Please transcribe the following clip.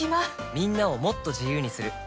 みんなをもっと自由にする「三菱冷蔵庫」